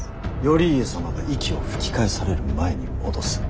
頼家様が息を吹き返される前に戻す。